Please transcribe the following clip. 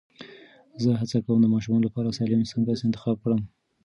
زه هڅه کوم د ماشومانو لپاره سالم سنکس انتخاب کړم.